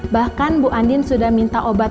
bahkan bu andin sudah minta obat